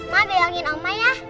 mama biangin oma ya